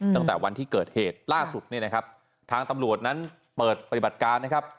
ตั้งแต่วันที่เกิดเหตุล่าสุดเนี่ยนะครับทางตำรวจนั้นเปิดปฏิบัติการนะครับ